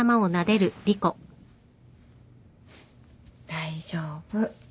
大丈夫。